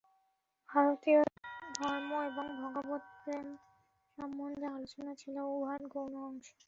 ভারতীয়ের ধর্ম এবং ভগবৎপ্রেম সম্বন্ধে আলোচনা ছিল উহার গৌণ অংশ।